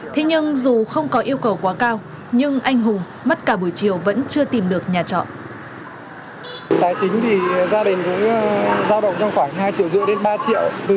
thế nhưng dù không có yêu cầu quá cao nhưng anh hùng mất cả buổi chiều vẫn chưa tìm được nhà trọ